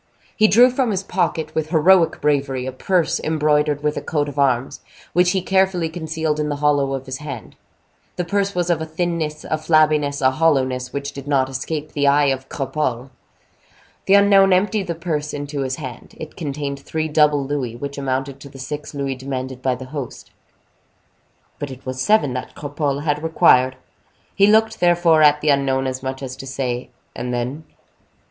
He drew from his pocket, with heroic bravery, a purse embroidered with a coat of arms, which he carefully concealed in the hollow of his hand. This purse was of a thinness, a flabbiness, a hollowness, which did not escape the eye of Cropole. The unknown emptied the purse into his hand. It contained three double louis, which amounted to the six louis demanded by the host. But it was seven that Cropole had required. He looked, therefore, at the unknown, as much as to say, "And then?"